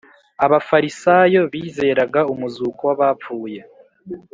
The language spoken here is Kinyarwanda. .” Abafarisayo bizeraga umuzuko w’abapfuye